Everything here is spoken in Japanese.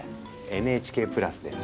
ＮＨＫプラスです。